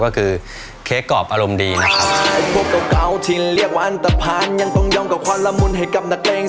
ก็คือเค้กกรอบอารมณ์ดีนะครับ